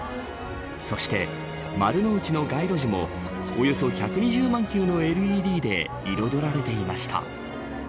そして、丸の内の街路樹もおよそ１２０万球のＬＥＤで彩られていました。